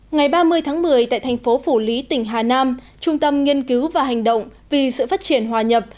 ngày ba mươi tháng một mươi tại thành phố phủ lý tỉnh hà nam trung tâm nghiên cứu và hành động vì sự phát triển hòa nhập